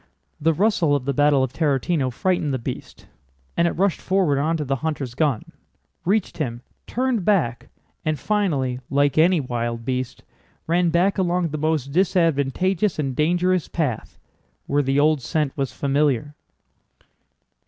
The rustle of the battle of Tarútino frightened the beast, and it rushed forward onto the hunter's gun, reached him, turned back, and finally—like any wild beast—ran back along the most disadvantageous and dangerous path, where the old scent was familiar.